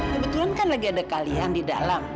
kebetulan kan lagi ada kalian di dalam